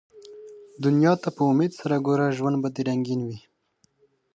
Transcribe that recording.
دنیا ته په امېد سره ګوره ، ژوند به دي رنګین وي